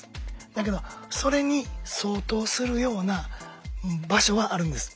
だけどそれに相当するような場所はあるんです。